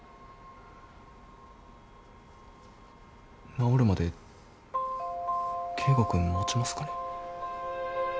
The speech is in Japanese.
治るまで圭吾君持ちますかね？